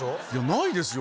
ないですよ